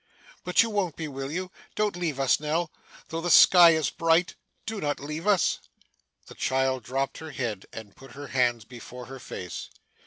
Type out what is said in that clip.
But you won't be, will you? Don't leave us Nell, though the sky is bright. Do not leave us!' The child dropped her head, and put her hands before her face.